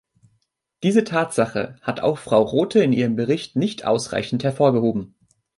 Diese Tatsache hat auch Frau Rothe in ihrem Bericht nicht ausreichend hervorgehoben.